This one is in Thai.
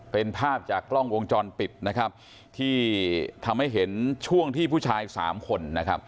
เป็นภาพจากกล้องวงจรปิดที่ทำให้เห็นช่วงที่ผู้ชาย๓คน